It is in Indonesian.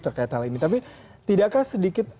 terkait hal ini tapi tidakkah sedikit